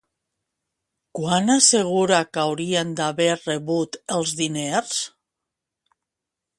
Quan assegura que haurien d'haver rebut els diners?